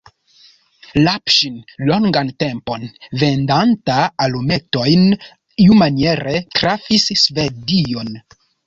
Lapŝin, longan tempon vendanta alumetojn, iumaniere trafis Svedion.